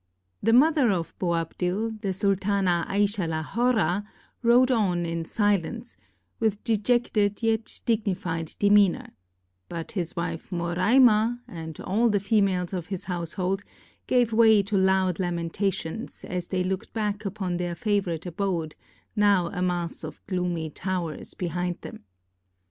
The mother of Boabdil, the Sultana Ayxa la Horra, rode on in silence, with dejected yet dignified demeanor; but his wife Morayma, and all the females of his household, gave way to loud lamentations, as they looked back upon their favorite abode, now a mass of gloomy towers behind them.